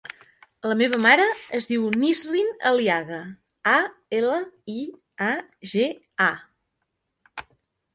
La meva mare es diu Nisrin Aliaga: a, ela, i, a, ge, a.